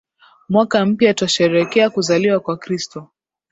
Mwaka mpya twasherekea kuzaliwa kwa Kristo